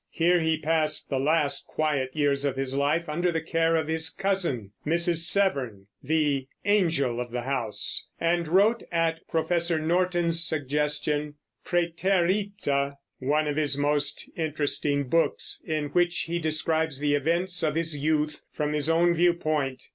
Here he passed the last quiet years of his life under the care of his cousin, Mrs. Severn, the "angel of the house," and wrote, at Professor Norton's suggestion, Praeterita, one of his most interesting books, in which he describes the events of his youth from his own view point.